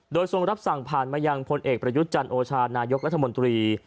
โดยทรงรับสั่งผ่านมายังพลเอกประยุทธ์จันทร์โอชานายกรัฐมนตรี